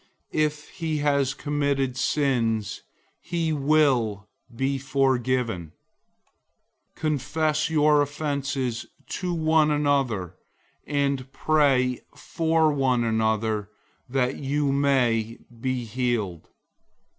If he has committed sins, he will be forgiven. 005:016 Confess your offenses to one another, and pray for one another, that you may be healed.